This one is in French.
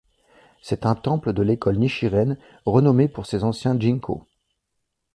C'est un temple de l'école Nichiren, renommé pour ses anciens ginkgo.